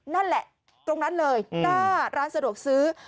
นั่นแหละตรงนั้นเลยหน้าร้านสะดวกซื้อ